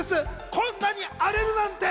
こんなに荒れるなんて！